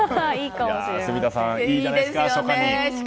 住田さん、いいじゃないですか。